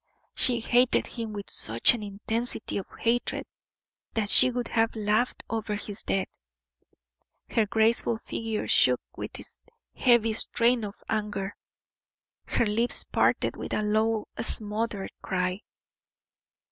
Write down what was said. She hated him with such an intensity of hatred, that she would have laughed over his death. Her graceful figure shook with its heavy strain of anger her lips parted with a low, smothered cry.